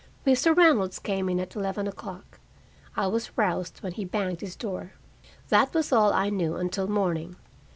Mr. Reynolds came in at eleven o'clock. I was roused when he banged his door. That was all I knew until morning.